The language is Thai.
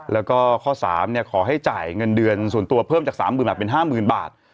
แล้วก็ข้อ๓ขอให้จ่ายเงินเดือนส่วนตัวเพิ่มจาก๓๐๐๐บาทเป็น๕๐๐๐บาท